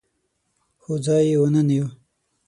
خو ځای یې ونه نیو.